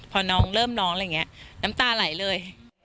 พอน้องเริ่มน้องอะไรอย่างนี้น้ำตาไหลเลย